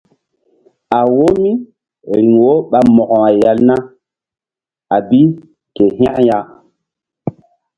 A wo míriŋ wo ɓa Mo̧ko-ay ya na a bi ke hȩk bi ya.